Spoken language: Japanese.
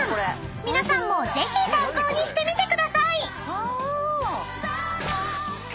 ［皆さんもぜひ参考にしてみてください］